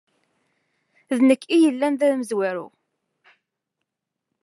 D nekk i yellan da d amezwaru.